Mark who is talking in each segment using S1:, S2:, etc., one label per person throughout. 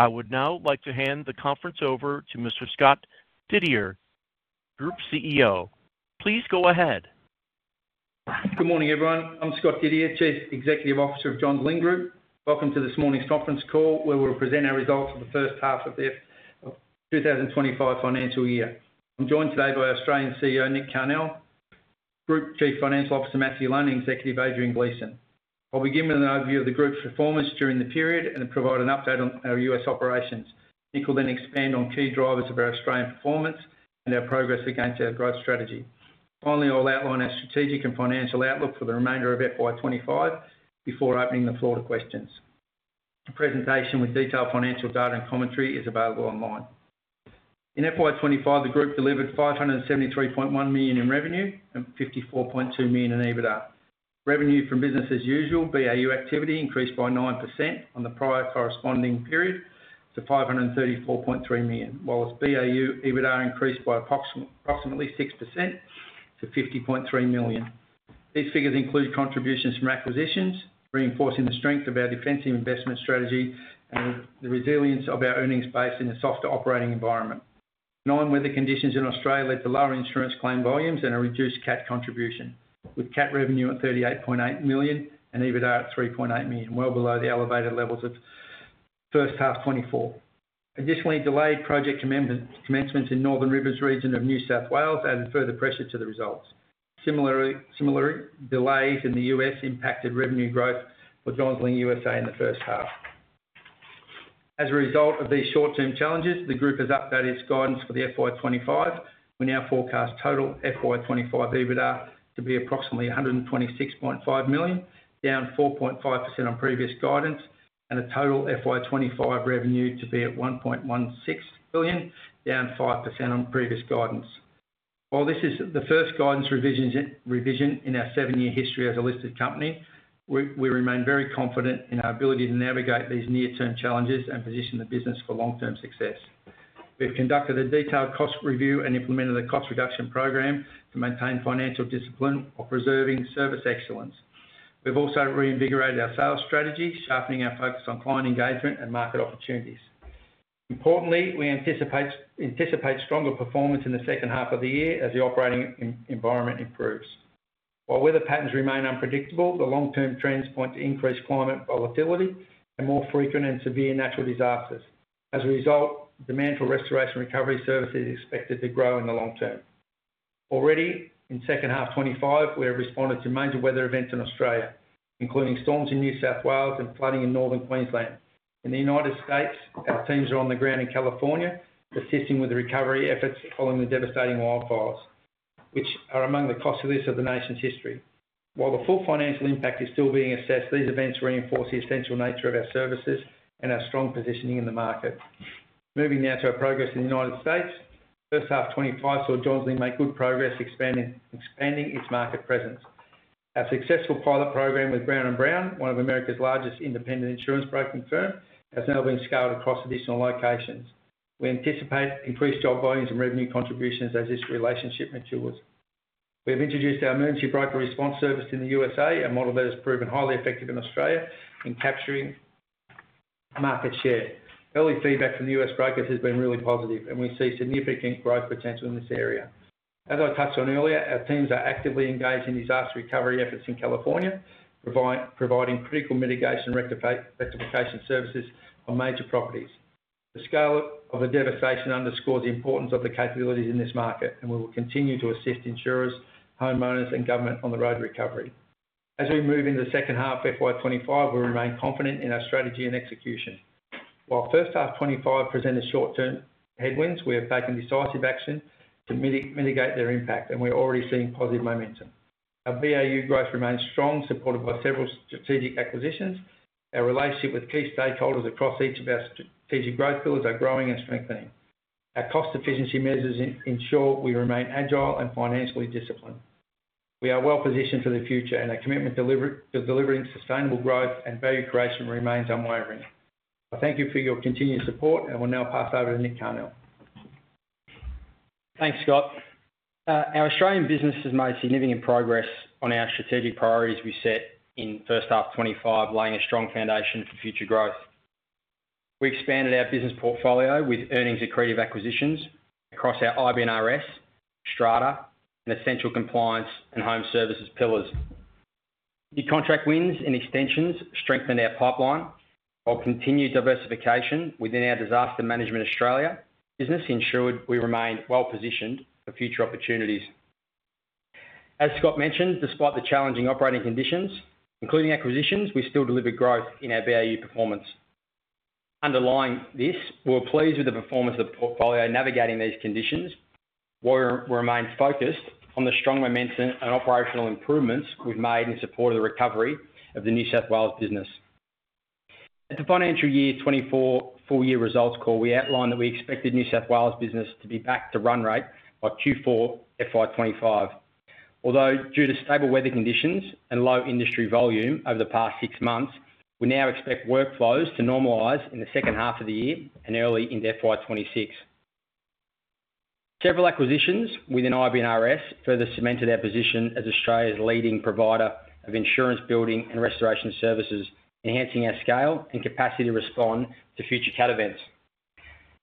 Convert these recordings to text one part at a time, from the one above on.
S1: I would now like to hand the conference over to Mr. Scott Didier, Group CEO. Please go ahead.
S2: Good morning, everyone. I'm Scott Didier, Chief Executive Officer of Johns Lyng Group. Welcome to this morning's conference call where we'll present our results for the first half of the 2025 financial year. I'm joined today by Australian CEO Nick Carnell, Group Chief Financial Officer Matthew Lunn, and Executive Adrian Gleeson. I'll begin with an overview of the Group's performance during the period and provide an update on our US operations. Nick will then expand on key drivers of our Australian performance and our progress against our growth strategy. Finally, I'll outline our strategic and financial outlook for the remainder of FY25 before opening the floor to questions. A presentation with detailed financial data and commentary is available online. In FY25, the Group delivered 573.1 million in revenue and 54.2 million in EBITDA. Revenue from business as usual, BAU activity, increased by 9% on the prior corresponding period to 534.3 million, while its BAU/EBITDA increased by approximately 6% to 50.3 million. These figures include contributions from acquisitions, reinforcing the strength of our defensive investment strategy and the resilience of our earnings base in a softer operating environment. Non-weather conditions in Australia led to lower insurance claim volumes and a reduced CAT contribution, with CAT revenue at 38.8 million and EBITDA at 3.8 million, well below the elevated levels of first half 2024. Additionally, delayed project commencements in Northern Rivers Region of New South Wales added further pressure to the results. Similarly, delays in the U.S. impacted revenue growth for Johns Lyng USA in the first half. As a result of these short-term challenges, the Group has updated its guidance for the FY 2025. We now forecast total FY25 EBITDA to be approximately 126.5 million, down 4.5% on previous guidance, and a total FY25 revenue to be at 1.16 billion, down 5% on previous guidance. While this is the first guidance revision in our seven-year history as a listed company, we remain very confident in our ability to navigate these near-term challenges and position the business for long-term success. We've conducted a detailed cost review and implemented a cost reduction program to maintain financial discipline while preserving service excellence. We've also reinvigorated our sales strategy, sharpening our focus on client engagement and market opportunities. Importantly, we anticipate stronger performance in the second half of the year as the operating environment improves. While weather patterns remain unpredictable, the long-term trends point to increased climate volatility and more frequent and severe natural disasters. As a result, demand for restoration recovery services is expected to grow in the long term. Already in second half 2025, we have responded to major weather events in Australia, including storms in New South Wales and flooding in northern Queensland. In the United States, our teams are on the ground in California assisting with the recovery efforts following the devastating wildfires, which are among the costliest of the nation's history. While the full financial impact is still being assessed, these events reinforce the essential nature of our services and our strong positioning in the market. Moving now to our progress in the United States, first half 2025 saw Johns Lyng make good progress, expanding its market presence. Our successful pilot program with Brown & Brown, one of America's largest independent insurance broking firms, has now been scaled across additional locations. We anticipate increased job volumes and revenue contributions as this relationship matures. We have introduced our Emergency Broker Response service in the USA, a model that has proven highly effective in Australia in capturing market share. Early feedback from the U.S. brokers has been really positive, and we see significant growth potential in this area. As I touched on earlier, our teams are actively engaged in disaster recovery efforts in California, providing critical mitigation and rectification services on major properties. The scale of the devastation underscores the importance of the capabilities in this market, and we will continue to assist insurers, homeowners, and government on the road to recovery. As we move into the second half of FY25, we remain confident in our strategy and execution. While first half '25 presented short-term headwinds, we have taken decisive action to mitigate their impact, and we're already seeing positive momentum. Our BAU growth remains strong, supported by several strategic acquisitions. Our relationship with key stakeholders across each of our strategic growth pillars are growing and strengthening. Our cost efficiency measures ensure we remain agile and financially disciplined. We are well positioned for the future, and our commitment to delivering sustainable growth and value creation remains unwavering. I thank you for your continued support, and I will now pass over to Nick Carnell.
S3: Thanks, Scott. Our Australian business has made significant progress on our strategic priorities we set in first half 2025, laying a strong foundation for future growth. We expanded our business portfolio with earnings accretive acquisitions across our IBNRS, Strata, and essential compliance and home services pillars. New contract wins and extensions strengthened our pipeline, while continued diversification within our Disaster Management Australia business ensured we remain well positioned for future opportunities. As Scott mentioned, despite the challenging operating conditions, including acquisitions, we still delivered growth in our BAU performance. Underlying this, we're pleased with the performance of the portfolio navigating these conditions, while we remain focused on the strong momentum and operational improvements we've made in support of the recovery of the New South Wales business. At the financial year 2024 full-year results call, we outlined that we expected New South Wales business to be back to run rate by Q4 FY25. Although due to stable weather conditions and low industry volume over the past six months, we now expect workflows to normalize in the second half of the year and early into FY26. Several acquisitions within IBNRS further cemented our position as Australia's leading provider of insurance building and restoration services, enhancing our scale and capacity to respond to future CAT events.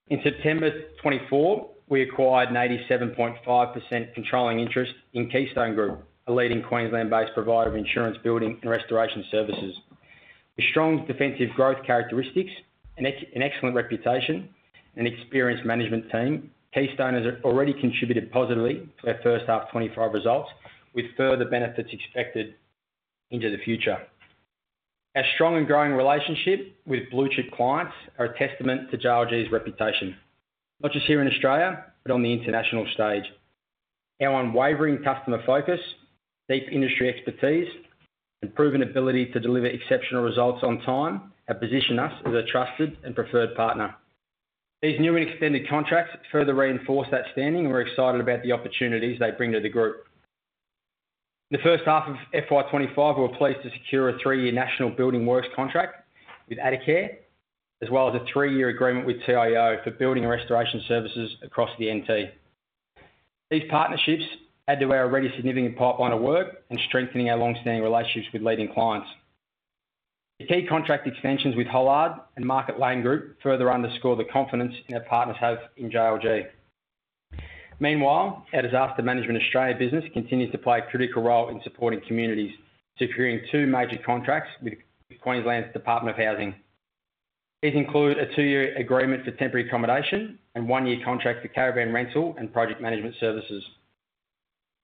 S3: In September 2024, we acquired an 87.5% controlling interest in Keystone Group, a leading Queensland-based provider of insurance building and restoration services. With strong defensive growth characteristics, an excellent reputation, and an experienced management team, Keystone has already contributed positively to our first half 2025 results, with further benefits expected into the future. Our strong and growing relationship with blue-chip clients are a testament to JLG's reputation, not just here in Australia, but on the international stage. Our unwavering customer focus, deep industry expertise, and proven ability to deliver exceptional results on time have positioned us as a trusted and preferred partner. These new and extended contracts further reinforce that standing, and we're excited about the opportunities they bring to the Group. In the first half of FY25, we were pleased to secure a three-year National Building Works contract with Arcare, as well as a three-year agreement with TIO for building and restoration services across the NT. These partnerships add to our already significant pipeline of work and strengthening our long-standing relationships with leading clients. The key contract extensions with Hollard and Market Lane Group further underscore the confidence our partners have in JLG. Meanwhile, our Disaster Management Australia business continues to play a critical role in supporting communities, securing two major contracts with Queensland's Department of Housing. These include a two-year agreement for temporary accommodation and one-year contract for caravan rental and project management services.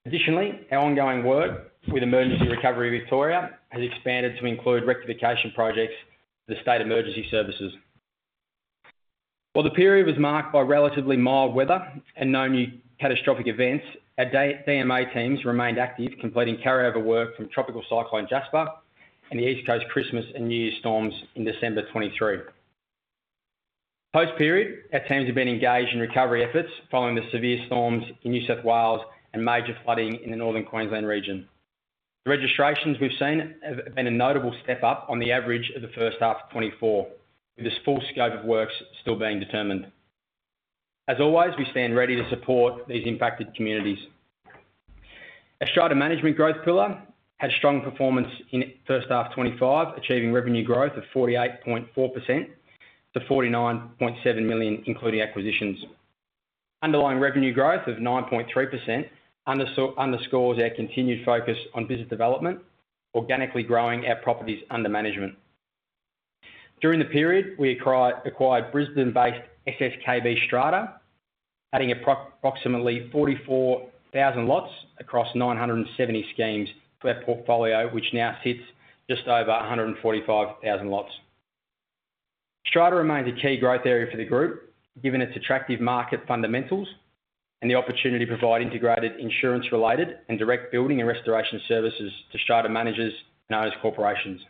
S3: Additionally, our ongoing work with Emergency Recovery Victoria has expanded to include rectification projects for the State Emergency Services. While the period was marked by relatively mild weather and no new catastrophic events, our DMA teams remained active, completing carryover work from Tropical Cyclone Jasper and the East Coast Christmas and New Year's storms in December 2023. Post-period, our teams have been engaged in recovery efforts following the severe storms in New South Wales and major flooding in the Northern Queensland region. The registrations we've seen have been a notable step up on the average of the first half 2024, with the full scope of works still being determined. As always, we stand ready to support these impacted communities. Our Strata Management Growth Pillar had strong performance in first half 2025, achieving revenue growth of 48.4% to 49.7 million, including acquisitions. Underlying revenue growth of 9.3% underscores our continued focus on business development, organically growing our properties under management. During the period, we acquired Brisbane-based SSKB Strata, adding approximately 44,000 lots across 970 schemes to our portfolio, which now sits just over 145,000 lots. Strata remains a key growth area for the Group, given its attractive market fundamentals and the opportunity to provide integrated insurance-related and direct building and restoration services to Strata managers and owners' corporations.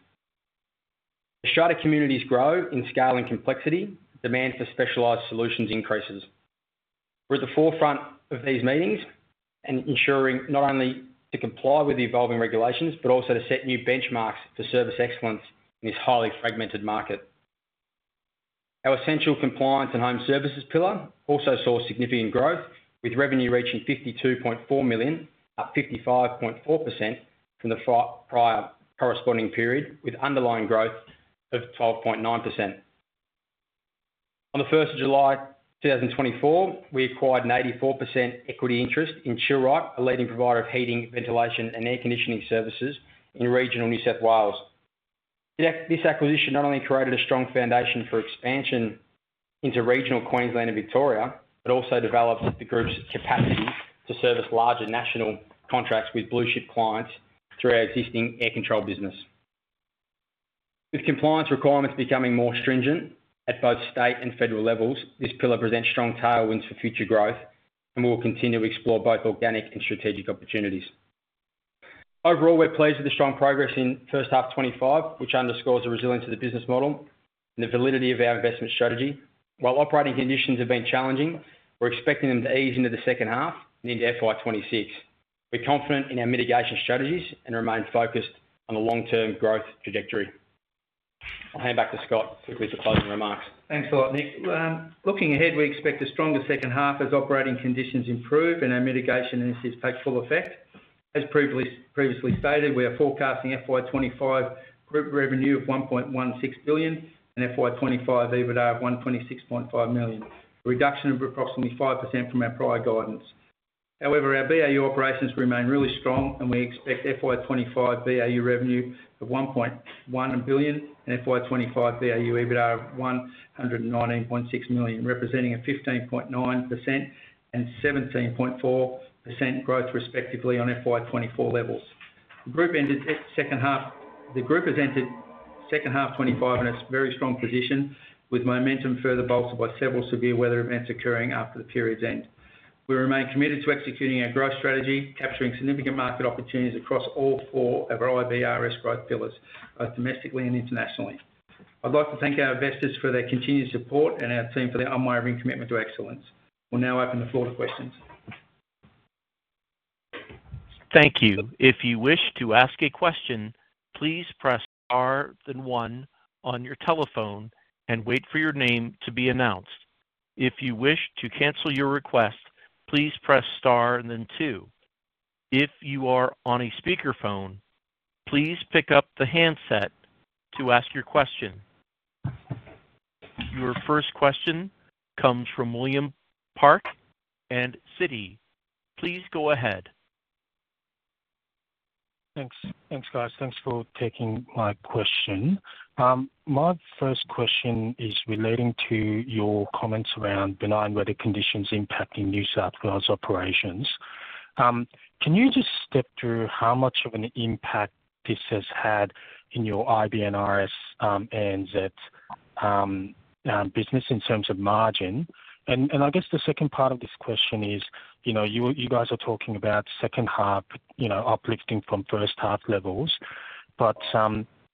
S3: The Strata communities grow in scale and complexity. Demand for specialized solutions increases. We're at the forefront of these meetings and ensuring not only to comply with the evolving regulations but also to set new benchmarks for service excellence in this highly fragmented market. Our Essential Compliance and Home Services Pillar also saw significant growth, with revenue reaching 52.4 million, up 55.4% from the prior corresponding period, with underlying growth of 12.9%. On the 1st of July 2024, we acquired an 84% equity interest in Chill-Rite, a leading provider of heating, ventilation, and air conditioning services in regional New South Wales. This acquisition not only created a strong foundation for expansion into regional Queensland and Victoria but also developed the Group's capacity to service larger national contracts with blue-chip clients through our existing air control business. With compliance requirements becoming more stringent at both state and federal levels, this pillar presents strong tailwinds for future growth, and we will continue to explore both organic and strategic opportunities. Overall, we're pleased with the strong progress in first half 2025, which underscores the resilience of the business model and the validity of our investment strategy. While operating conditions have been challenging, we're expecting them to ease into the second half and into FY26. We're confident in our mitigation strategies and remain focused on the long-term growth trajectory. I'll hand back to Scott quickly for closing remarks.
S2: Thanks a lot, Nick. Looking ahead, we expect a stronger second half as operating conditions improve and our mitigation initiatives take full effect. As previously stated, we are forecasting FY25 Group revenue of 1.16 billion and FY25 EBITDA of 126.5 million, a reduction of approximately 5% from our prior guidance. However, our BAU operations remain really strong, and we expect FY25 BAU revenue of 1.1 billion and FY25 BAU EBITDA of 119.6 million, representing a 15.9% and 17.4% growth respectively on FY24 levels. The Group has entered second half '25 in a very strong position, with momentum further bolstered by several severe weather events occurring after the period's end. We remain committed to executing our growth strategy, capturing significant market opportunities across all four of our IBNRS growth pillars, both domestically and internationally. I'd like to thank our investors for their continued support and our team for their unwavering commitment to excellence. We'll now open the floor to questions.
S1: Thank you. If you wish to ask a question, please press star then one on your telephone and wait for your name to be announced. If you wish to cancel your request, please press star then two. If you are on a speakerphone, please pick up the handset to ask your question. Your first question comes from William Park, Citi. Please go ahead.
S4: Thanks, guys. Thanks for taking my question. My first question is relating to your comments around benign weather conditions impacting New South Wales operations. Can you just step through how much of an impact this has had in your IBNRS and Express business in terms of margin? And I guess the second part of this question is you guys are talking about second half uplifting from first half levels, but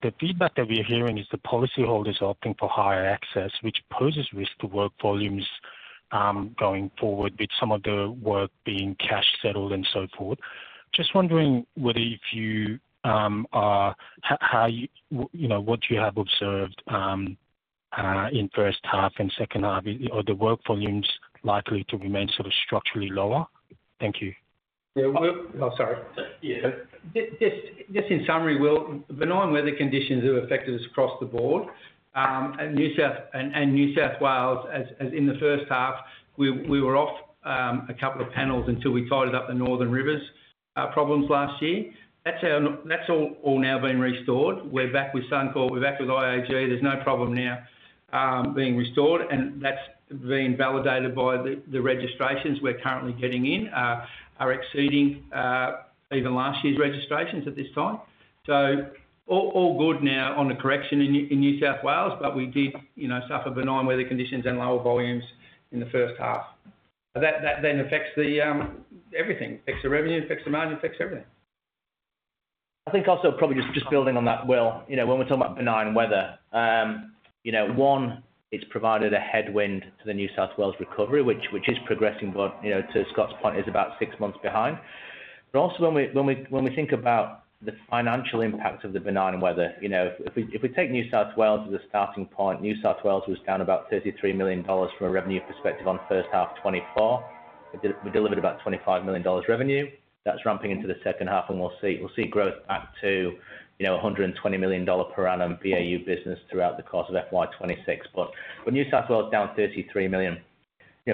S4: the feedback that we are hearing is the policyholders are opting for higher excess, which poses risk to work volumes going forward, with some of the work being cash settled and so forth. Just wondering whether, if you are, how you, what you have observed in first half and second half, are the work volumes likely to remain sort of structurally lower? Thank you.
S2: Just in summary, well, benign weather conditions have affected us across the board. New South Wales, as in the first half, we were off a couple of panels until we tidied up the Northern Rivers problems last year. That's all now being restored. We're back with Suncorp, we're back with IAG. There's no problem now being restored, and that's being validated by the registrations we're currently getting in, are exceeding even last year's registrations at this time. So all good now on the construction in New South Wales, but we did suffer benign weather conditions and lower volumes in the first half. That then affects everything. It affects the revenue, it affects the margin, it affects everything.
S3: I think also probably just building on that, well, when we're talking about benign weather, one, it's provided a headwind to the New South Wales recovery, which is progressing, but to Scott's point, is about six months behind. But also when we think about the financial impact of the benign weather, if we take New South Wales as a starting point, New South Wales was down about 33 million dollars from a revenue perspective on first half 2024. We delivered about 25 million dollars revenue. That's ramping into the second half, and we'll see growth back to 120 million dollar per annum BAU business throughout the course of FY 2026. But New South Wales down 33 million.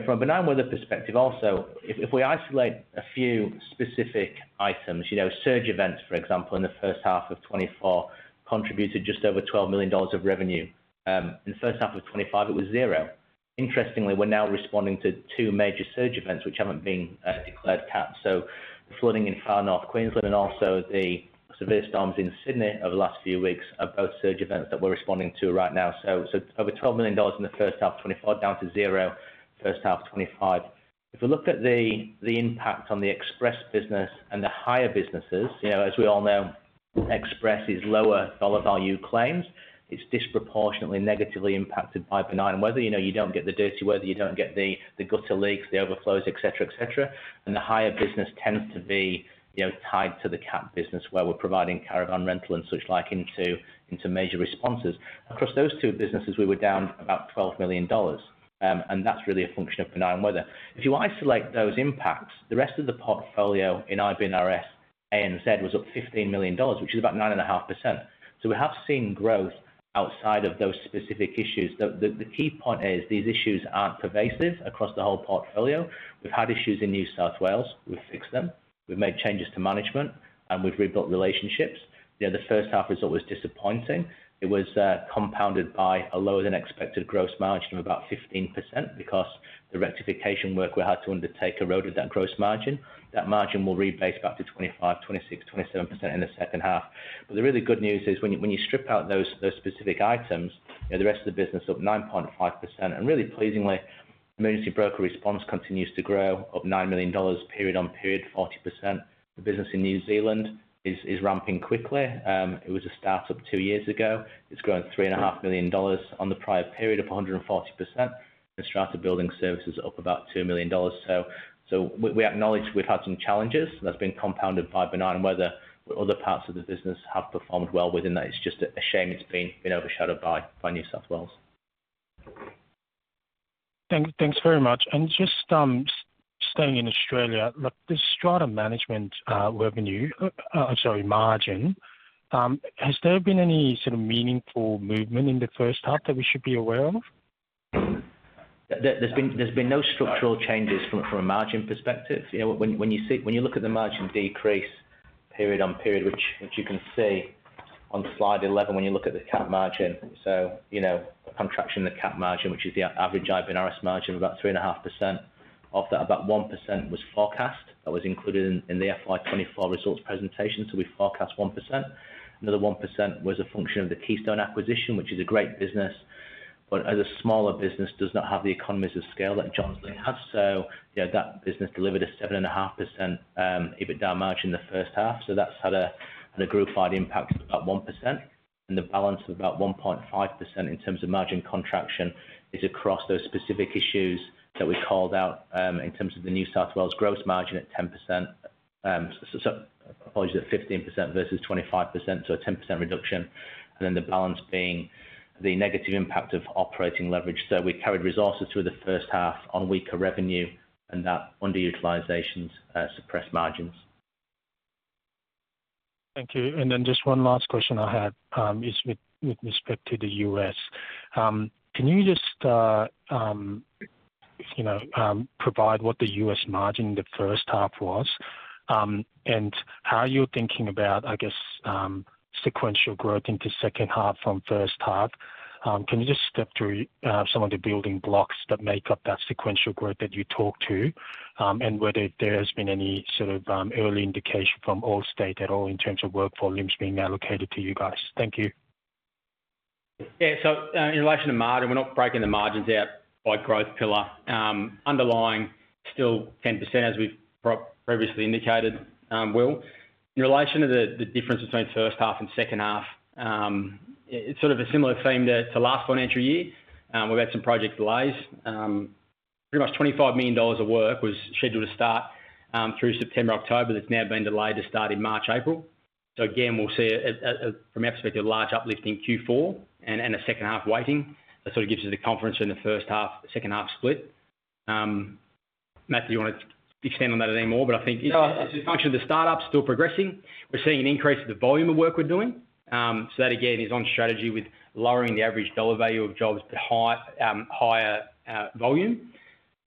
S3: From a benign weather perspective also, if we isolate a few specific items, surge events, for example, in the first half of 2024 contributed just over 12 million dollars of revenue. In the first half of 2025, it was zero. Interestingly, we're now responding to two major surge events, which haven't been declared CATS. So the flooding in Far North Queensland and also the severe storms in Sydney over the last few weeks are both surge events that we're responding to right now. So over 12 million dollars in the first half of 2024, down to zero first half of 2025. If we look at the impact on the express business and the higher businesses, as we all know, express is lower dollar value claims. It's disproportionately negatively impacted by benign weather. You don't get the dirty weather, you don't get the gutter leaks, the overflows, etc., etc. And the higher business tends to be tied to the CAT business, where we're providing caravan rental and such like into major responses. Across those two businesses, we were down about 12 million dollars, and that's really a function of benign weather. If you isolate those impacts, the rest of the portfolio in IBNRS ANZ was up 15 million dollars, which is about 9.5%. So we have seen growth outside of those specific issues. The key point is these issues aren't pervasive across the whole portfolio. We've had issues in New South Wales. We've fixed them. We've made changes to management, and we've rebuilt relationships. The first half result was disappointing. It was compounded by a lower-than-expected gross margin of about 15% because the rectification work we had to undertake eroded that gross margin. That margin will rebound back to 25%, 26%, 27% in the second half. But the really good news is when you strip out those specific items, the rest of the business is up 9.5%. And, really pleasingly, emergency broker response continues to grow of 9 million dollars, period on period, 40%. The business in New Zealand is ramping quickly. It was a startup two years ago. It's grown 3.5 million dollars on the prior period of 140%, and Strata Building Services are up about 2 million dollars. So we acknowledge we've had some challenges that have been compounded by benign weather. Other parts of the business have performed well within that. It's just a shame it's been overshadowed by New South Wales.
S4: Thanks very much. And just staying in Australia, look, the Strata Management revenue, sorry, margin, has there been any sort of meaningful movement in the first half that we should be aware of?
S3: There's been no structural changes from a margin perspective. When you look at the margin decrease period on period, which you can see on slide 11 when you look at the CAT margin, so a contraction in the CAT margin, which is the average IBNRS margin of about 3.5%, of that about 1% was forecast. That was included in the FY24 results presentation, so we forecast 1%. Another 1% was a function of the Keystone acquisition, which is a great business, but as a smaller business, does not have the economies of scale that Johns Lyng has, so that business delivered a 7.5% EBITDA margin in the first half, so that's had a group-wide impact of about 1%. And the balance of about 1.5% in terms of margin contraction is across those specific issues that we called out in terms of the New South Wales gross margin at 10%. I apologize, at 15% versus 25%, so a 10% reduction, and then the balance being the negative impact of operating leverage, so we carried resources through the first half on weaker revenue, and that underutilizations suppressed margins.
S4: Thank you. And then just one last question I had is with respect to the U.S. Can you just provide what the U.S. margin in the first half was, and how you're thinking about, I guess, sequential growth into second half from first half? Can you just step through some of the building blocks that make up that sequential growth that you talked to, and whether there has been any sort of early indication from Allstate at all in terms of work volumes being allocated to you guys? Thank you.
S3: Yeah. So in relation to margin, we're not breaking the margins out by growth pillar. Underlying still 10%, as we've previously indicated, Will. In relation to the difference between first half and second half, it's sort of a similar theme to last financial year. We've had some project delays. Pretty much 25 million dollars of work was scheduled to start through September, October. It's now been delayed to start in March, April. So again, we'll see from an aspect of large uplift in Q4 and a second half weighting. That sort of gives us the confidence in the first half, second half split. Matthew, do you want to extend on that any more, but I think it's a function of the startup still progressing. We're seeing an increase in the volume of work we're doing. So that again is on strategy with lowering the average dollar value of jobs but higher volume.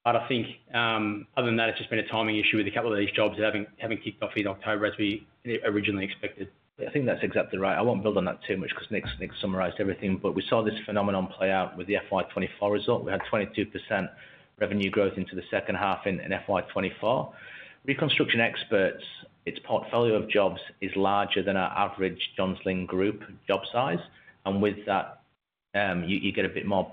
S3: But I think other than that, it's just been a timing issue with a couple of these jobs having kicked off in October as we originally expected. I think that's exactly right. I won't build on that too much because Nick summarized everything, but we saw this phenomenon play out with the FY24 result. We had 22% revenue growth into the second half in FY24. Reconstruction Experts, its portfolio of jobs is larger than our average Johns Lyng Group job size. And with that, you get a bit more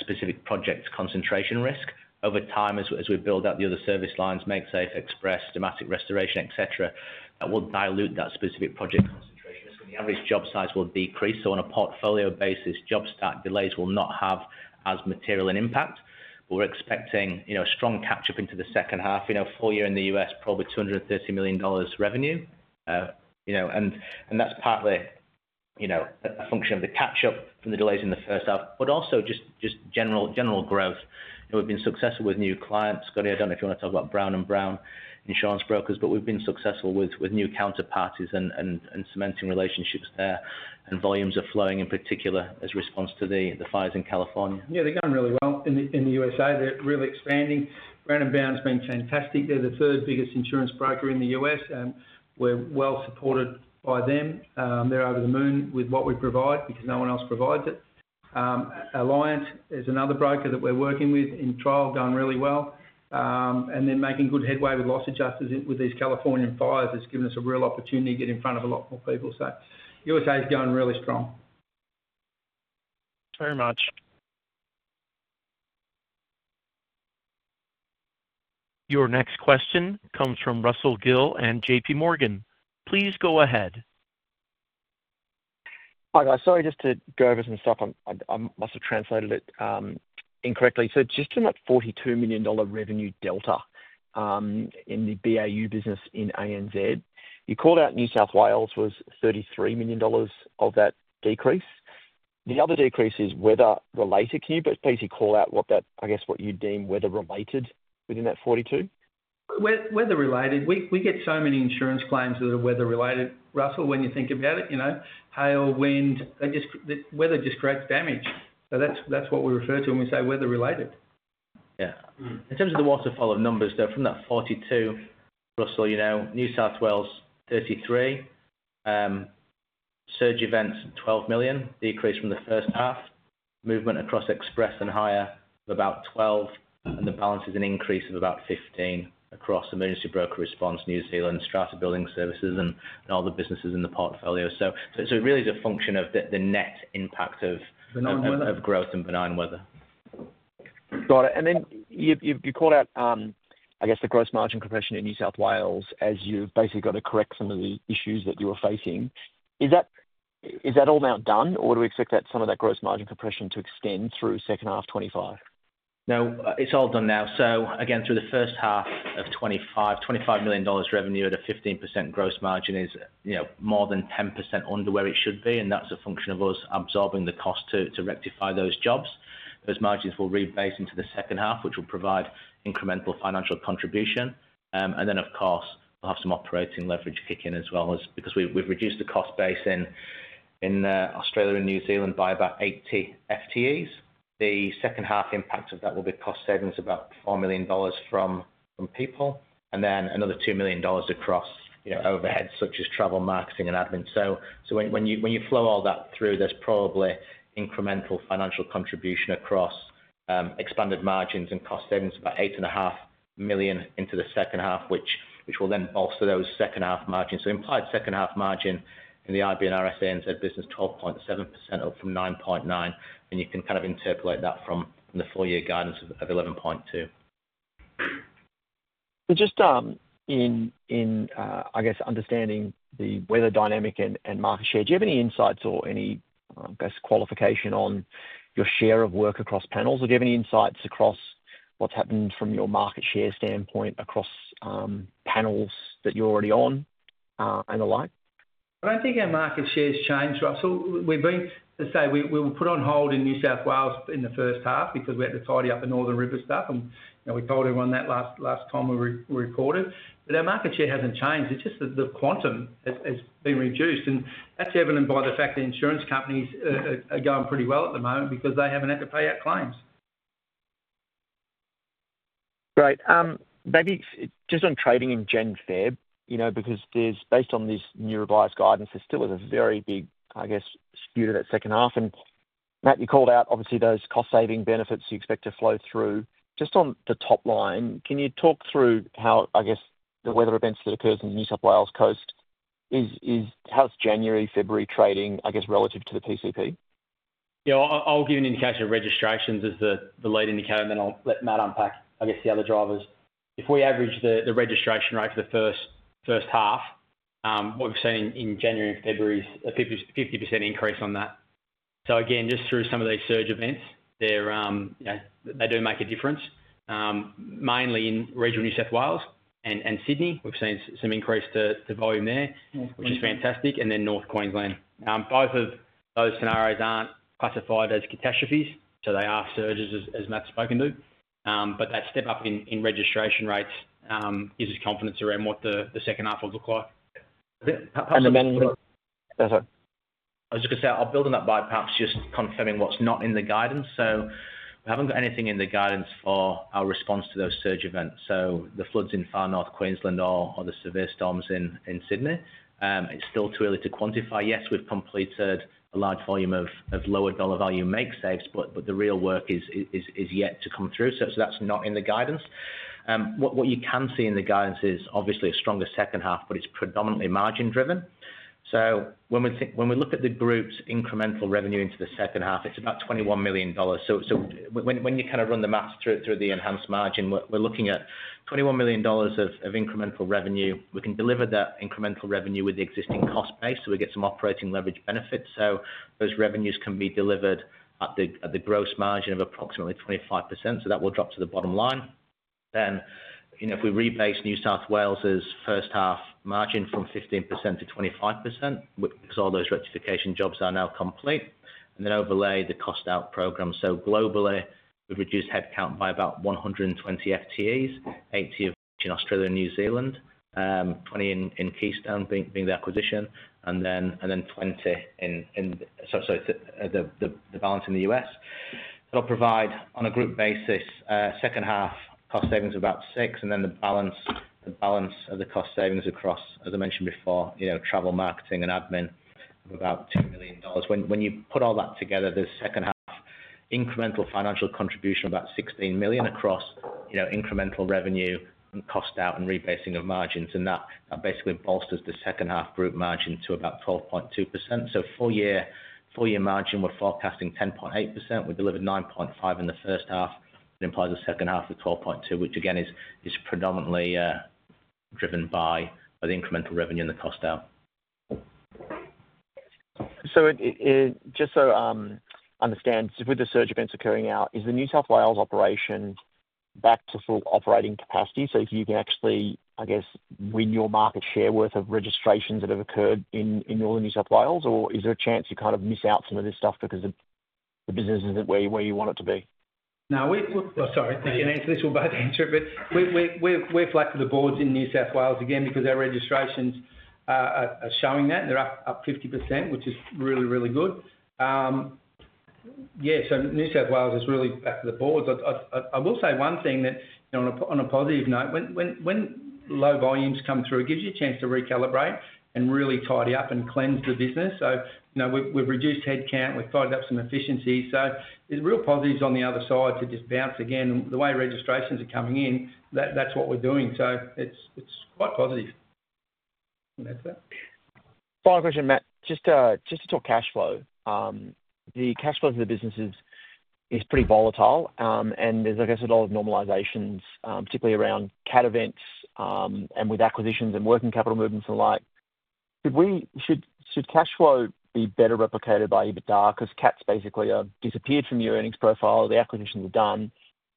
S3: specific project concentration risk. Over time, as we build out the other service lines, Make Safe, Express, Steamatic Restoration, etc., that will dilute that specific project concentration risk. And the average job size will decrease. On a portfolio basis, job start delays will not have as material an impact. But we're expecting a strong catch-up into the second half. For the year in the US, probably $230 million revenue. And that's partly a function of the catch-up from the delays in the first half, but also just general growth. We've been successful with new clients. Scotty, I don't know if you want to talk about Brown & Brown insurance brokers, but we've been successful with new counterparties and cementing relationships there. And volumes are flowing in particular in response to the fires in California.
S2: Yeah, they're going really well in the USA. They're really expanding. Brown & Brown's been fantastic. They're the third biggest insurance broker in the U.S., and we're well supported by them. They're over the moon with what we provide because no one else provides it. Alliant is another broker that we're working with in trial, going really well. And then making good headway with loss adjusters with these California fires has given us a real opportunity to get in front of a lot more people. So USA's going really strong.
S4: Very much.
S1: Your next question comes from Russell Gill and JP Morgan. Please go ahead.
S5: Hi, guys. Sorry, just to go over some stuff. I must have translated it incorrectly, so just on that 42 million dollar revenue delta in the BAU business in ANZ, you called out New South Wales was 33 million dollars of that decrease. The other decrease is weather-related. Can you basically call out what that, I guess, what you deem weather-related within that 42?
S2: Weather-related. We get so many insurance claims that are weather-related. Russell, when you think about it, hail, wind, weather just creates damage. So that's what we refer to when we say weather-related.
S3: Yeah. In terms of the waterfall of numbers, though, from that 42, Russell, New South Wales 33, surge events 12 million, decrease from the first half, movement across Express and higher of about 12, and the balance is an increase of about 15 across Emergency Broker Response, New Zealand, Strata Building Services, and all the businesses in the portfolio. So it really is a function of the net impact of growth and benign weather.
S5: Got it, and then you called out, I guess, the gross margin compression in New South Wales as you've basically got to correct some of the issues that you were facing. Is that all now done, or would we expect some of that gross margin compression to extend through second half 2025?
S3: No, it's all done now. So again, through the first half of 2025, 25 million dollars revenue at a 15% gross margin is more than 10% under where it should be, and that's a function of us absorbing the cost to rectify those jobs. Those margins will rebate into the second half, which will provide incremental financial contribution. And then, of course, we'll have some operating leverage kick in as well because we've reduced the cost base in Australia and New Zealand by about 80 FTEs. The second half impact of that will be cost savings of about 4 million dollars from people, and then another 2 million dollars across overheads such as travel, marketing, and admin. So when you flow all that through, there's probably incremental financial contribution across expanded margins and cost savings of about 8.5 million into the second half, which will then bolster those second half margins. So implied second half margin in the IBNRS ANZ business, 12.7% up from 9.9%. And you can kind of interpolate that from the four-year guidance of 11.2%.
S5: Just in, I guess, understanding the weather dynamic and market share, do you have any insights or any, I guess, qualification on your share of work across panels? Or do you have any insights across what's happened from your market share standpoint across panels that you're already on and the like?
S2: I don't think our market share has changed, Russell. As I say, we were put on hold in New South Wales in the first half because we had to tidy up the Northern Rivers stuff. And we told everyone that last time we recorded. But our market share hasn't changed. It's just that the quantum has been reduced. And that's evident by the fact that insurance companies are going pretty well at the moment because they haven't had to pay out claims.
S5: Great. Maybe just on trading in Jan/Feb, because based on this new revised guidance, there still is a very big, I guess, skew to that second half. And Matt, you called out, obviously, those cost-saving benefits you expect to flow through. Just on the top line, can you talk through how, I guess, the weather events that occur in the New South Wales coast has January, February trading, I guess, relative to the PCP?
S3: Yeah. I'll give an indication of registrations as the lead indicator, and then I'll let Matt unpack, I guess, the other drivers. If we average the registration rate for the first half, what we've seen in January and February is a 50% increase on that. So again, just through some of these surge events, they do make a difference, mainly in regional New South Wales and Sydney. We've seen some increase to volume there, which is fantastic, and then North Queensland. Both of those scenarios aren't classified as catastrophes, so they are surges as Matt's spoken to, but that step up in registration rates gives us confidence around what the second half will look like.
S5: The management.
S3: Sorry. I was just going to say I'll build on that by perhaps just confirming what's not in the guidance, so we haven't got anything in the guidance for our response to those surge events, so the floods in Far North Queensland or the severe storms in Sydney, it's still too early to quantify. Yes, we've completed a large volume of lower dollar value Make Safes, but the real work is yet to come through, so that's not in the guidance. What you can see in the guidance is obviously a stronger second half, but it's predominantly margin-driven, so when we look at the group's incremental revenue into the second half, it's about 21 million dollars, so when you kind of run the math through the enhanced margin, we're looking at 21 million dollars of incremental revenue. We can deliver that incremental revenue with the existing cost base. We get some operating leverage benefits. Those revenues can be delivered at the gross margin of approximately 25%. That will drop to the bottom line. If we rebase New South Wales's first half margin from 15% to 25%, because all those rectification jobs are now complete, and then overlay the cost-out program. Globally, we've reduced headcount by about 120 FTEs, 80 of which in Australia and New Zealand, 20 in Keystone being the acquisition, and then 20 in, sorry, the balance in the US. That'll provide, on a group basis, second half cost savings of about 6 million, and then the balance of the cost savings across, as I mentioned before, travel, marketing, and admin of about 2 million dollars. When you put all that together, there's second half incremental financial contribution of about 16 million across incremental revenue and cost-out and rebasing of margins. That basically bolsters the second half group margin to about 12.2%. Full-year margin, we're forecasting 10.8%. We delivered 9.5% in the first half. That implies the second half is 12.2%, which again is predominantly driven by the incremental revenue and the cost-out.
S5: So just so I understand, with the surge events occurring now, is the New South Wales operation back to full operating capacity? So you can actually, I guess, win your market share worth of registrations that have occurred in Northern New South Wales? Or is there a chance you kind of miss out some of this stuff because the business isn't where you want it to be?
S2: No, we're sort of, sorry. You can answer this all by answer. But we're flat to the boards in New South Wales again because our registrations are showing that. They're up 50%, which is really, really good. Yeah. So New South Wales is really flat to the boards. I will say one thing that on a positive note, when low volumes come through, it gives you a chance to recalibrate and really tidy up and cleanse the business. So we've reduced headcount. We've tidied up some efficiencies. So there's real positives on the other side to just bounce again. And the way registrations are coming in, that's what we're doing. So it's quite positive. And that's it.
S5: Final question, Matt. Just to talk cash flow, the cash flow for the business is pretty volatile, and there's, I guess, a lot of normalizations, particularly around CAT events and with acquisitions and working capital movements and the like. Should cash flow be better replicated by EBITDA? Because CATs basically have disappeared from your earnings profile. The acquisitions are done.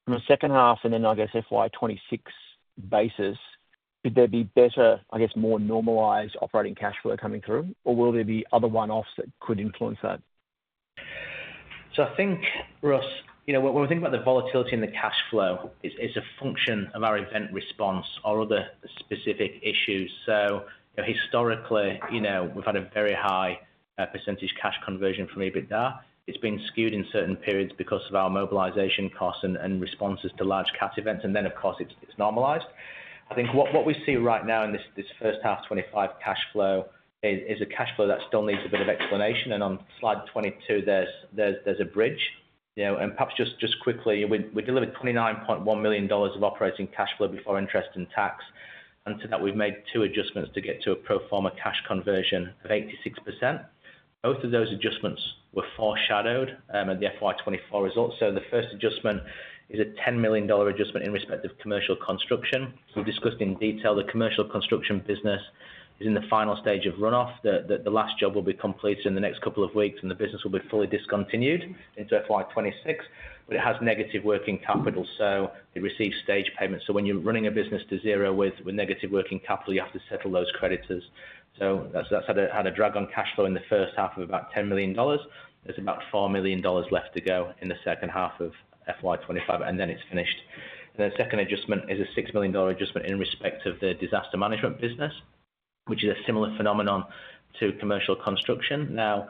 S5: From the second half and then, I guess, FY26 basis, could there be better, I guess, more normalized operating cash flow coming through? Or will there be other one-offs that could influence that?
S6: I think, Russ, when we think about the volatility in the cash flow, it's a function of our event response or other specific issues. Historically, we've had a very high percentage cash conversion from EBITDA. It's been skewed in certain periods because of our mobilization costs and responses to large CAT events. And then, of course, it's normalized. I think what we see right now in this first half '25 cash flow is a cash flow that still needs a bit of explanation. And on slide 22, there's a bridge. And perhaps just quickly, we delivered 29.1 million dollars of operating cash flow before interest and tax. And to that, we've made two adjustments to get to a pro forma cash conversion of 86%. Both of those adjustments were foreshadowed at the FY24 results. The first adjustment is a 10 million dollar adjustment in respect of commercial construction. We've discussed in detail the commercial construction business is in the final stage of runoff. The last job will be completed in the next couple of weeks, and the business will be fully discontinued into FY26, but it has negative working capital, so it receives stage payments. So when you're running a business to zero with negative working capital, you have to settle those creditors, so that's had a drag on cash flow in the first half of about 10 million dollars. There's about 4 million dollars left to go in the second half of FY25, and then it's finished, and then the second adjustment is a 6 million dollar adjustment in respect of the disaster management business, which is a similar phenomenon to commercial construction. Now,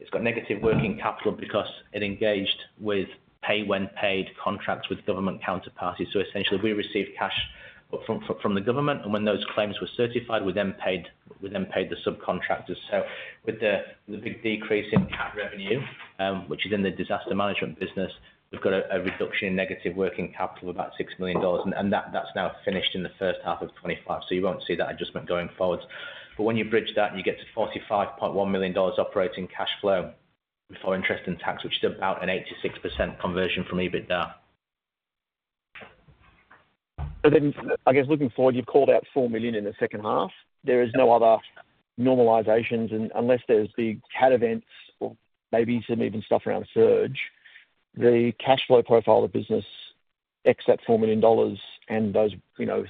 S6: it's got negative working capital because it engaged with pay-when-paid contracts with government counterparties, so essentially, we received cash from the government. And when those claims were certified, we then paid the subcontractors. So with the big decrease in CAT revenue, which is in the disaster management business, we've got a reduction in negative working capital of about 6 million dollars. And that's now finished in the first half of 2025. So you won't see that adjustment going forwards. But when you bridge that, you get to 45.1 million dollars operating cash flow before interest and tax, which is about an 86% conversion from EBITDA.
S7: So then, I guess looking forward, you've called out 4 million in the second half. There is no other normalizations unless there's big CAT events or maybe some event stuff around surge. The cash flow profile of the business, except 4 million dollars and those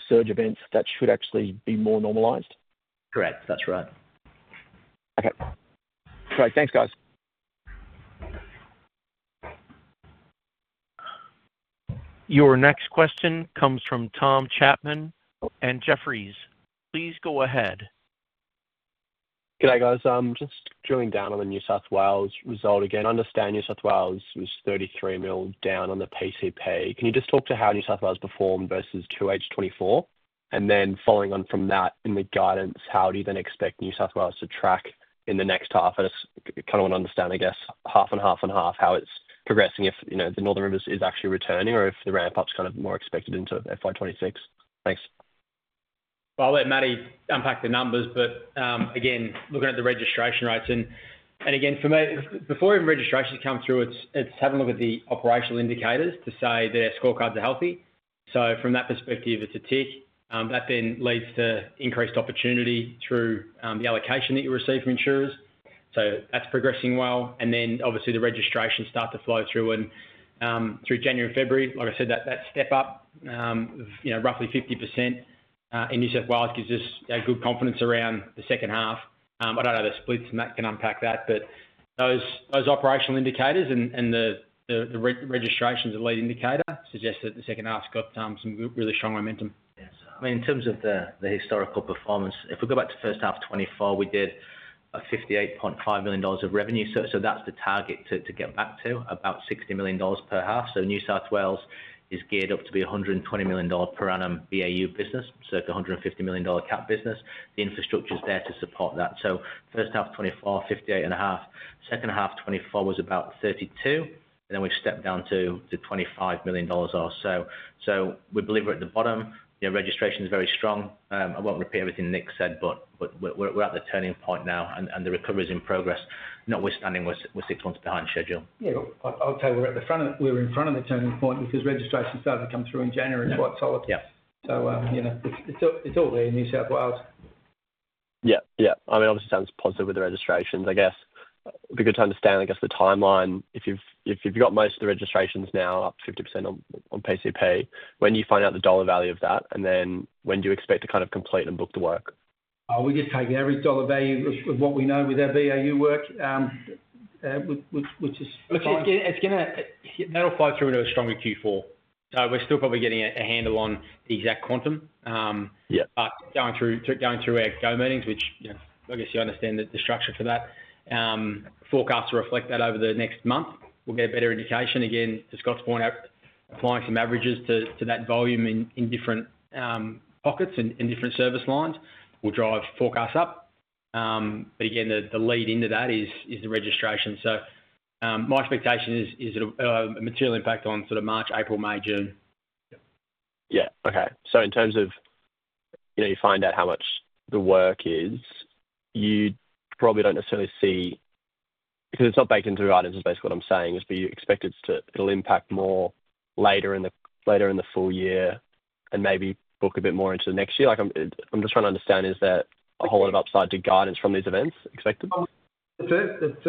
S7: surge events, that should actually be more normalized?
S6: Correct. That's right.
S5: Okay. Great. Thanks, guys.
S1: Your next question comes from Tom Chapman and Jefferies. Please go ahead.
S8: Good day, guys. Just drilling down on the New South Wales result again. I understand New South Wales was 33 million down on the PCP. Can you just talk to how New South Wales performed versus 2H24? And then following on from that in the guidance, how do you then expect New South Wales to track in the next half? I just kind of want to understand, I guess, half and half and half, how it's progressing, if the Northern Rivers is actually returning or if the ramp-up's kind of more expected into FY26. Thanks.
S3: Well, I'll let Matty unpack the numbers. But again, looking at the registration rates. And again, for me, before even registrations come through, it's having a look at the operational indicators to say that our scorecards are healthy. So from that perspective, it's a tick. That then leads to increased opportunity through the allocation that you receive from insurers. So that's progressing well. And then, obviously, the registrations start to flow through. And through January and February, like I said, that step up of roughly 50% in New South Wales gives us good confidence around the second half. I don't know the splits. Matt can unpack that. But those operational indicators and the registrations are a lead indicator, suggests that the second half's got some really strong momentum.
S6: Yeah. So I mean, in terms of the historical performance, if we go back to first half 2024, we did 58.5 million dollars of revenue. So that's the target to get back to, about 60 million dollars per half. So New South Wales is geared up to be a 120 million dollar per annum BAU business, circa 150 million dollar CAT business. The infrastructure's there to support that. So first half 2024, 58.5. Second half 2024 was about 32. And then we've stepped down to 25 million dollars or so. So we believe we're at the bottom. Registration's very strong. I won't repeat everything Nick said, but we're at the turning point now, and the recovery's in progress. Notwithstanding, we're six months behind schedule.
S2: Yeah. I'll tell you, we're in front of the turning point because registrations started to come through in January and it's quite solid. So it's all there in New South Wales.
S8: Yeah. Yeah. I mean, obviously, it sounds positive with the registrations, I guess. It'd be good to understand, I guess, the timeline. If you've got most of the registrations now, up 50% on PCP, when do you find out the dollar value of that? And then when do you expect to kind of complete and book the work?
S2: Are we just taking every dollar value of what we know with our BAU work, which is?
S3: It's going to, that'll flow through into a stronger Q4. So we're still probably getting a handle on the exact quantum. But going through our go meetings, which, I guess, you understand the structure for that, forecasts will reflect that over the next month. We'll get a better indication. Again, to Scott's point, applying some averages to that volume in different pockets and different service lines will drive forecasts up. But again, the lead into that is the registration. So my expectation is a material impact on sort of March, April, May, June.
S8: Yeah. Okay. So in terms of you find out how much the work is, you probably don't necessarily see because it's not baked into the guidance, is basically what I'm saying. It's to be expected it'll impact more later in the full year and maybe book a bit more into the next year. I'm just trying to understand, is there a whole lot of upside to guidance from these events expected?
S2: That's it. That's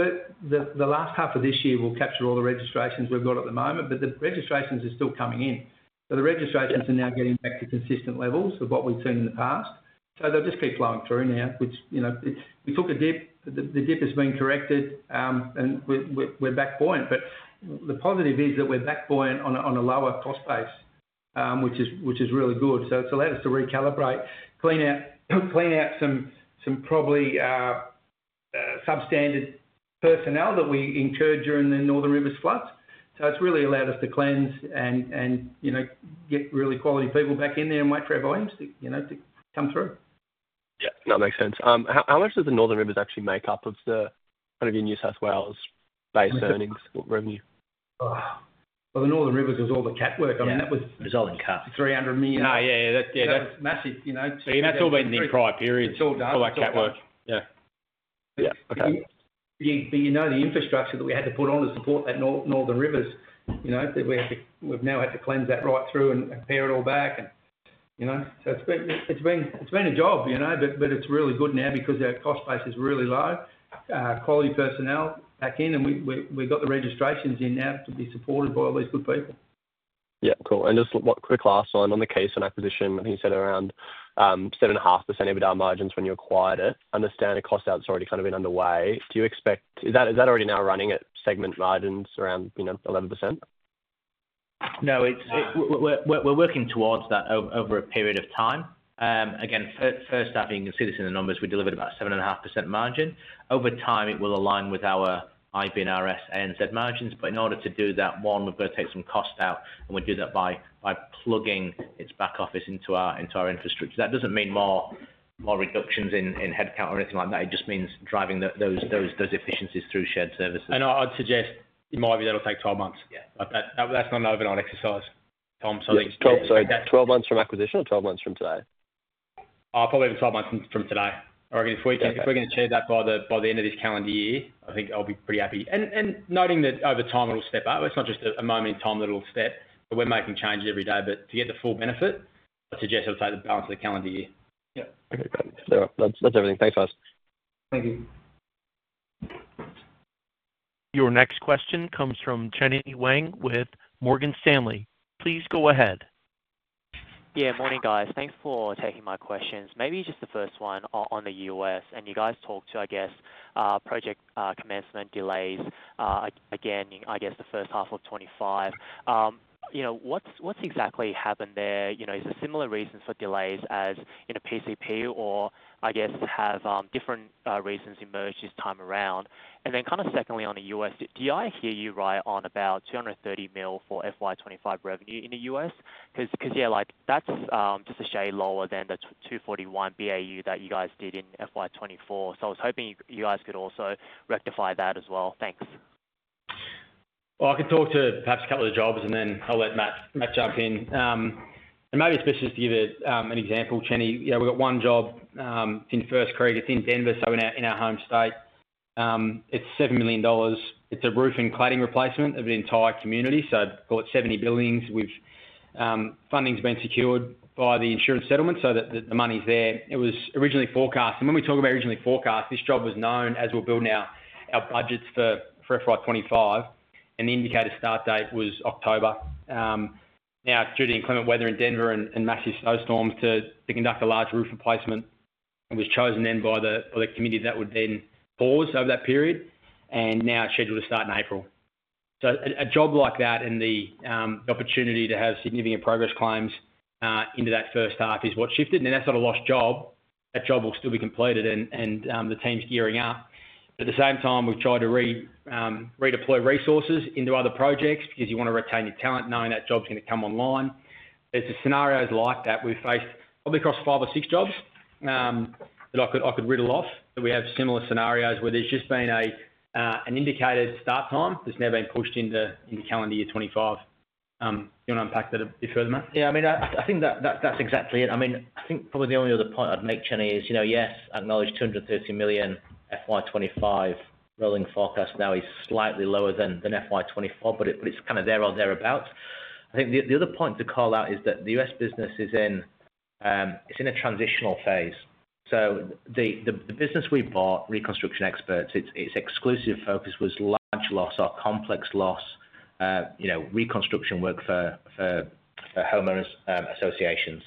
S2: it. The last half of this year will capture all the registrations we've got at the moment. But the registrations are still coming in. So the registrations are now getting back to consistent levels of what we've seen in the past. So they'll just keep flowing through now, which we took a dip. The dip has been corrected, and we're back buoyant. But the positive is that we're back buoyant on a lower cost base, which is really good. So it's allowed us to recalibrate, clean out some probably substandard personnel that we incurred during the Northern Rivers floods. So it's really allowed us to cleanse and get really quality people back in there and wait for our volumes to come through.
S8: Yeah. That makes sense. How much does the Northern Rivers actually make up of kind of your New South Wales-based earnings revenue?
S2: The Northern Rivers does all the cat work. I mean, that was.
S6: It was all in CAT.
S2: 300 million.
S8: Oh, yeah, yeah. That's.
S2: That was massive.
S8: So that's all been the prior period.
S2: It's all done.
S8: All that cat work. Yeah. Yeah. Okay.
S2: But you know the infrastructure that we had to put on to support that Northern Rivers that we've now had to cleanse that right through and pare it all back. And so it's been a job. But it's really good now because our cost base is really low, quality personnel back in. And we've got the registrations in now to be supported by all these good people.
S8: Yeah. Cool. And just quick last one on the Keystone acquisition. I think you said around 7.5% EBITDA margins when you acquired it. Understand the cost-out's already kind of been underway. Do you expect is that already now running at segment margins around 11%?
S3: No. We're working towards that over a period of time. Again, first off, you can see this in the numbers. We delivered about 7.5% margin. Over time, it will align with our IBNRS, ANZ margins. But in order to do that, one, we've got to take some cost out. And we do that by plugging its back office into our infrastructure. That doesn't mean more reductions in headcount or anything like that. It just means driving those efficiencies through shared services.
S2: I'd suggest in my view, that'll take 12 months.
S6: Yeah.
S2: That's not an overnight exercise, Tom. So I think.
S8: 12 months from acquisition or 12 months from today?
S2: Probably over 12 months from today. If we can achieve that by the end of this calendar year, I think I'll be pretty happy, and noting that over time, it'll step out. It's not just a moment in time that it'll step, but we're making changes every day, but to get the full benefit, I'd suggest I'd say the balance of the calendar year.
S6: Yeah.
S8: Okay. Great. That's everything. Thanks, guys.
S2: Thank you.
S1: Your next question comes from Chenny Wang with Morgan Stanley. Please go ahead.
S7: Yeah. Morning, guys. Thanks for taking my questions. Maybe just the first one on the U.S. And you guys talked to, I guess, project commencement delays. Again, I guess the first half of 2025. What's exactly happened there? Is there similar reasons for delays as in a PCP or, I guess, have different reasons emerged this time around? And then kind of secondly on the U.S, did I hear you right on about $230 million for FY25 revenue in the US? Because, yeah, that's just a shade lower than the $241 million BAU that you guys did in FY24. So I was hoping you guys could also rectify that as well. Thanks.
S3: I could talk to perhaps a couple of the jobs, and then I'll let Matt jump in, and maybe it's best just to give an example. Jenny, we've got one job in First Creek. It's in Denver, so in our home state. It's $7 million. It's a roof and cladding replacement of an entire community. So we've got 70 buildings. Funding's been secured by the insurance settlement, so the money's there. It was originally forecast, and when we talk about originally forecast, this job was known as we're building our budgets for FY25. And the indicator start date was October. Now, due to inclement weather in Denver and massive snowstorms, to conduct a large roof replacement was chosen then by the committee that would then pause over that period and now scheduled to start in April. A job like that and the opportunity to have significant progress claims into that first half is what shifted. And that's not a lost job. That job will still be completed, and the team's gearing up. At the same time, we've tried to redeploy resources into other projects because you want to retain your talent, knowing that job's going to come online. It's scenarios like that we've faced probably across five or six jobs that I could reel off. But we have similar scenarios where there's just been an indicated start time that's now been pushed into calendar year 2025. Do you want to unpack that a bit further, Matt?
S6: Yeah. I mean, I think that's exactly it. I mean, I think probably the only other point I'd make, Chenny, is yes, I acknowledge 230 million. FY25 rolling forecast now is slightly lower than FY24, but it's kind of there or thereabouts. I think the other point to call out is that the US business is in a transitional phase. So the business we bought, Reconstruction Experts, its exclusive focus was large loss or complex loss reconstruction work for homeowners associations.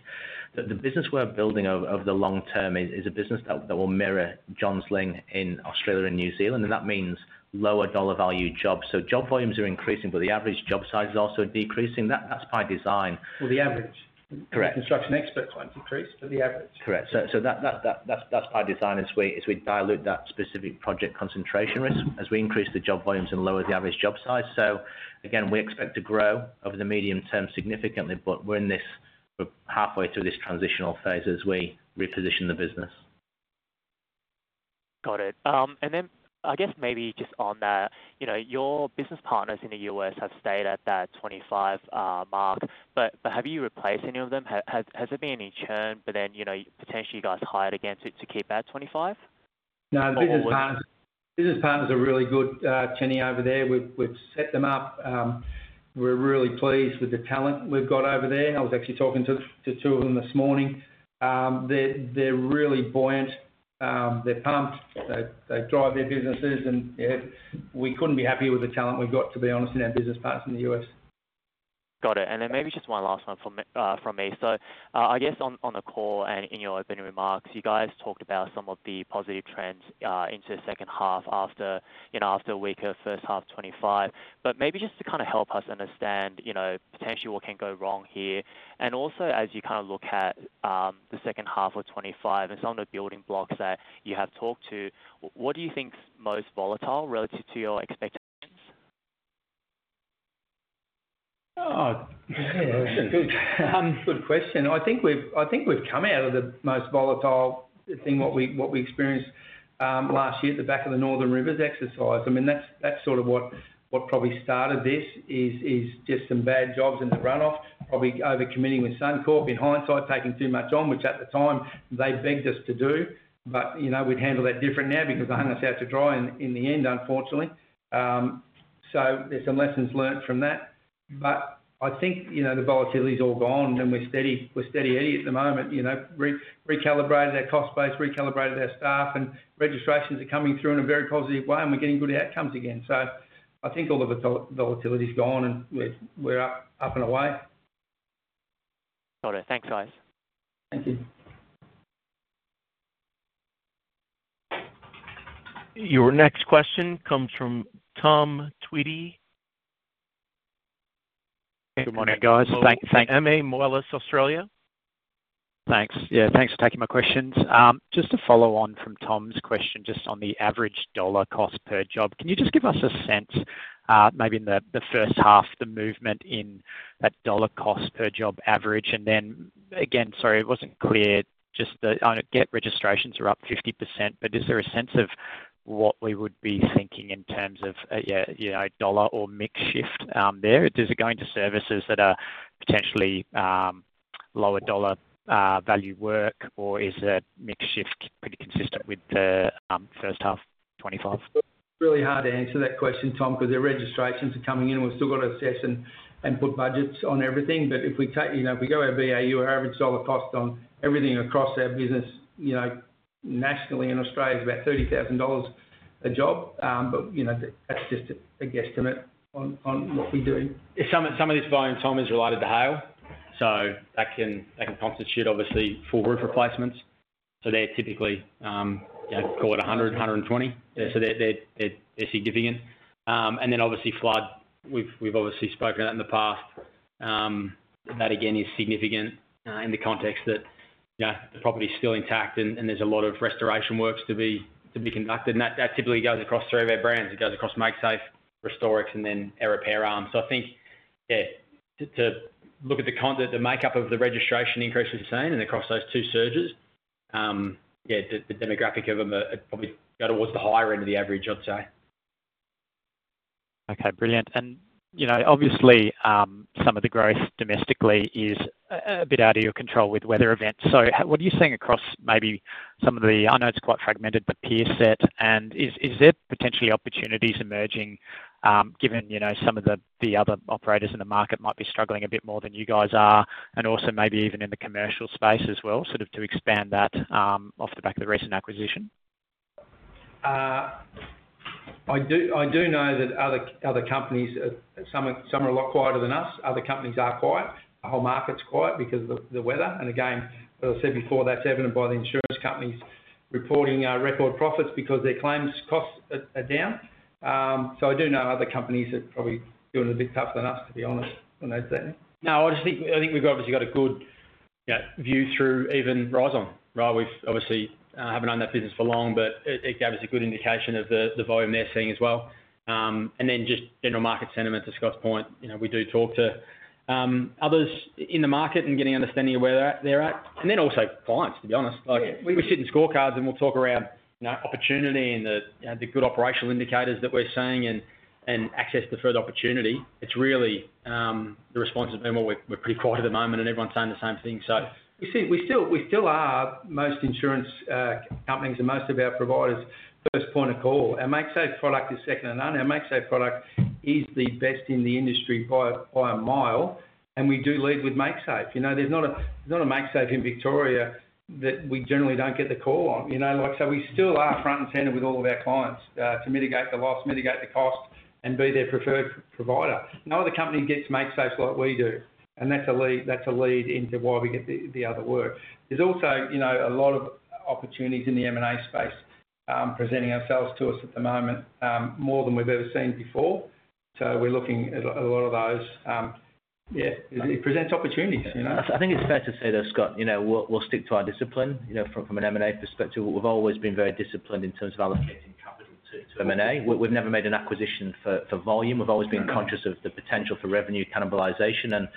S6: The business we're building over the long term is a business that will mirror Johns Lyng in Australia and New Zealand. And that means lower dollar value jobs. So job volumes are increasing, but the average job size is also decreasing. That's by design.
S2: Well, the average.
S6: Correct.
S2: Reconstruction Experts claims increase, but the average.
S6: Correct. So that's by design as we dilute that specific project concentration risk as we increase the job volumes and lower the average job size. So again, we expect to grow over the medium term significantly, but we're halfway through this transitional phase as we reposition the business.
S7: Got it. And then I guess maybe just on that, your business partners in the U.S. have stayed at that 25 mark. But have you replaced any of them? Has there been any churn? But then potentially, you guys hired again to keep at 25?
S2: No.
S6: No.
S2: Business partners are really good, Chenny, over there. We've set them up. We're really pleased with the talent we've got over there. I was actually talking to two of them this morning. They're really buoyant. They're pumped. They drive their businesses. And we couldn't be happier with the talent we've got, to be honest, in our business partners in the U.S.
S7: Got it. And then maybe just one last one from me. So I guess on the call and in your opening remarks, you guys talked about some of the positive trends into the second half after a weaker first half 2025. But maybe just to kind of help us understand potentially what can go wrong here. And also, as you kind of look at the second half of 2025 and some of the building blocks that you have talked to, what do you think's most volatile relative to your expectations?
S2: Good question. I think we've come out of the most volatile thing, what we experienced last year at the back of the Northern Rivers exercise. I mean, that's sort of what probably started this, is just some bad jobs and the run-off, probably overcommitting with Suncorp in hindsight, taking too much on, which at the time, they begged us to do, but we'd handle that different now because they hung us out to dry in the end, unfortunately, so there's some lessons learned from that, but I think the volatility's all gone, and we're steady Eddie at the moment, recalibrated our cost base, recalibrated our staff, and registrations are coming through in a very positive way, and we're getting good outcomes again, so I think all of the volatility's gone, and we're up and away.
S7: Got it. Thanks, guys.
S2: Thank you.
S1: Your next question comes from Tom Tweedy. Good morning, guys. Thanks. Thanks.
S2: MA Moelis Australia.
S9: Thanks. Yeah. Thanks for taking my questions. Just a follow-on from Tom's question, just on the average dollar cost per job. Can you just give us a sense, maybe in the first half, the movement in that dollar cost per job average? And then again, sorry, it wasn't clear. Just the net registrations are up 50%. But is there a sense of what we would be thinking in terms of a dollar or mix shift there? Is it going to services that are potentially lower dollar value work, or is that mix shift pretty consistent with the first half 2025?
S2: It's really hard to answer that question, Tom, because the registrations are coming in, and we've still got to assess and put budgets on everything. But if we go our BAU, our average dollar cost on everything across our business nationally in Australia is about 30,000 dollars a job. But that's just a guesstimate on what we're doing.
S3: Some of this volume, Tom, is related to hail. So that can constitute, obviously, full roof replacements. So they're typically, call it 100, 120. So they're significant. And then obviously, flood, we've obviously spoken about that in the past. That again is significant in the context that the property's still intact, and there's a lot of restoration works to be conducted. And that typically goes across three of our brands. It goes across Makesafe, Restorx, and then our repair arm. So I think, yeah, to look at the makeup of the registration increase, as you're saying, and across those two surges, yeah, the demographic of them have probably got towards the higher end of the average, I'd say.
S9: Okay. Brilliant. And obviously, some of the growth domestically is a bit out of your control with weather events. So what are you seeing across maybe some of the, I know it's quite fragmented, but peer set? And is there potentially opportunities emerging, given some of the other operators in the market might be struggling a bit more than you guys are? And also maybe even in the commercial space as well, sort of to expand that off the back of the recent acquisition?
S2: I do know that other companies, some are a lot quieter than us. Other companies are quiet. The whole market's quiet because of the weather. And again, as I said before, that's evident by the insurance companies reporting record profits because their claims costs are down. So I do know other companies that are probably doing a bit tougher than us, to be honest. I don't know if that...
S3: No, I think we've obviously got a good view through even Rizon, right? We obviously haven't owned that business for long, but it gave us a good indication of the volume they're seeing as well. And then just general market sentiment, to Scott's point, we do talk to others in the market and getting an understanding of where they're at. And then also clients, to be honest. We sit in scorecards, and we'll talk around opportunity and the good operational indicators that we're seeing and access to further opportunity. It's really the response has been what we're pretty quiet at the moment, and everyone's saying the same thing. So we still are most insurance companies and most of our providers first point of call. And Makesafe product is second to none. Our Makesafe product is the best in the industry by a mile. And we do lead with Makesafe. There's not a Makesafe in Victoria that we generally don't get the call on. So we still are front and center with all of our clients to mitigate the loss, mitigate the cost, and be their preferred provider. No other company gets Makesafes like we do. And that's a lead into why we get the other work. There's also a lot of opportunities in the M&A space presenting ourselves to us at the moment more than we've ever seen before. So we're looking at a lot of those. Yeah. It presents opportunities.
S6: I think it's fair to say though, Scott, we'll stick to our discipline from an M&A perspective. We've always been very disciplined in terms of allocating capital to M&A. We've never made an acquisition for volume. We've always been conscious of the potential for revenue cannibalization, and